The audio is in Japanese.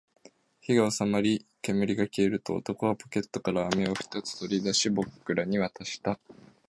火が収まり、煙が消えると、男はポケットから飴を二つ取り出し、僕らに渡した